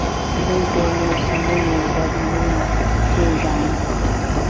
دوی د موسمونو بدلون پیژانده